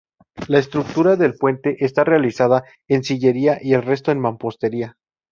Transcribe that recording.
La estructura del puente está realizada en sillería y el resto en mampostería.